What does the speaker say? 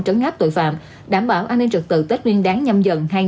trấn áp tội phạm đảm bảo an ninh trực tự tết nguyên đáng nhâm dần hai nghìn hai mươi hai